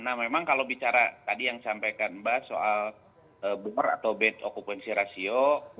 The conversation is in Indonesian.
nah memang kalau bicara tadi yang sampaikan mbak soal bumer atau bed okupansi rasio